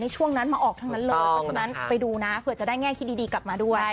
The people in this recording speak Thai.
ในช่วงนั้นมาออกทั้งนั้นเลยไปดูนะเผื่อจะได้แง่คิดดีกลับมาด้วย